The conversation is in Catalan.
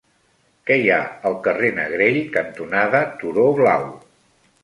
Què hi ha al carrer Negrell cantonada Turó Blau?